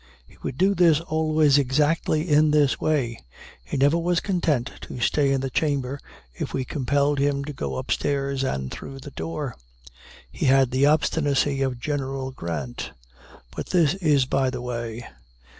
He would do this always exactly in this way; he never was content to stay in the chamber if we compelled him to go upstairs and through the door. He had the obstinacy of General Grant. But this is by the way.